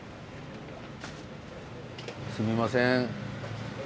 すみません。